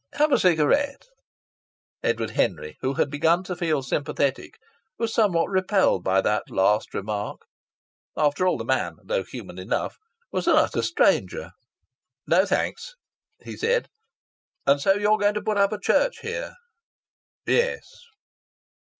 Have a cigarette?" Edward Henry, who had begun to feel sympathetic, was somewhat repelled by these odd last remarks. After all the man, though human enough, was an utter stranger. "No thanks," he said. "And so you're going to put up a church here?" "Yes."